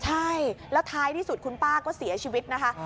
ใช่แล้วท้ายที่สุดคุณป้าก็เสียชีวิตนะคะ